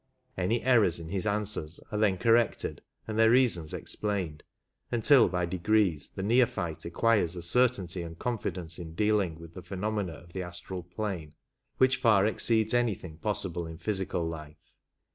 Any errors in his answers are then corrected and their reasons explained, until by degrees the neophyte acquires a certainty and confidence in dealing with the phenomena of the astral plane which far exceeds anything possible in physical Hfe.